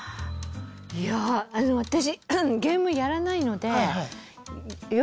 いやあの私ゲームやらないのでいや